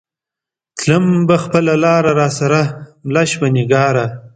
تلم به خپله لار را سره مله شوه نگارا